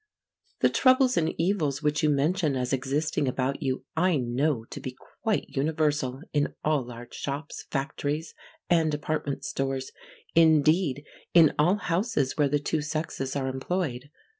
The troubles and evils which you mention as existing about you, I know to be quite universal in all large shops, factories, and department stores, indeed in all houses where the two sexes are employed.